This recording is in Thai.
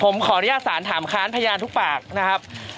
ผมขออนุญาตสารถามค้านพยานทุกปากนะครับ